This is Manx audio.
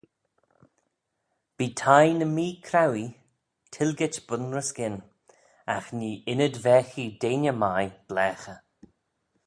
Bee thie ny mee-chrauee tilgit bun-ry-skyn: agh nee ynnyd-vaghee deiney mie blaaghey.